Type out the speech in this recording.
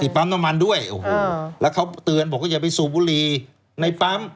ที่ป้ำน้ำมันด้วยแล้วเขาเตือนบอกอย่าไปสู่บุหรี่ในป้ำ